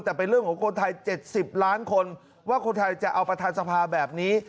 แต่เป็นเรื่องของคนไทย๗๐ล้านคนว่าคนไทยจะเอาประธานสภาแบบนี้